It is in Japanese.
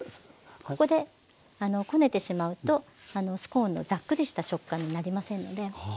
ここでこねてしまうとスコーンのザックリした食感になりませんので。